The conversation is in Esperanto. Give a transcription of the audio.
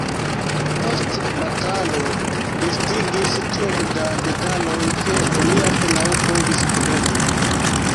Post batalo listigis tiom da detaloj, ke oni apenaŭ povis kredi.